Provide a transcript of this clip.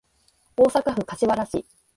大阪府柏原市